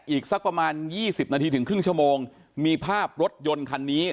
อีกสักประมาณ๒๐นาทีถึงครึ่งชั่วโมงมีภาพรถยนต์คันนี้